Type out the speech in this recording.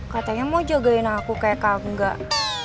katanya mau jagain aku kayak kamu enggak